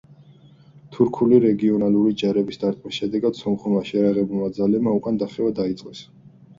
თურქული რეგულარული ჯარების დარტყმების შედეგად სომხურმა შეიარაღებულმა ძალებმა უკან დახევა დაიწყეს.